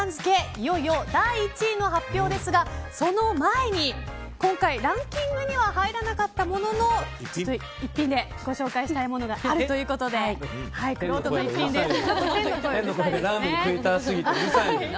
いよいよ第１位の発表ですがその前に、今回ランキングには入らなかったものの、逸品でご紹介したいものがあるということでくろうとの逸品です。